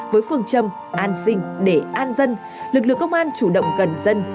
với phương châm an sinh để an dân lực lượng công an chủ động gần dân